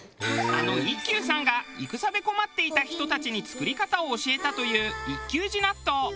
あの一休さんが戦で困っていた人たちに作り方を教えたという一休寺納豆。